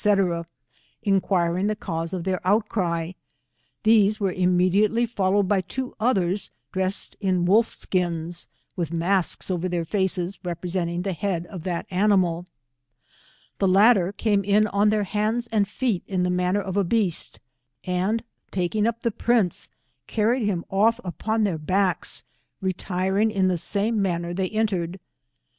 enquiring the cause of their outcry, these were im mediately followed by two others dressed in wolf skins, with masks over their faces representing the head of that animal; the latter came in on their hands and feet in the manner of a beast, and takina' up the prince carried him off upon their backs, re tiring in the same manner they entered.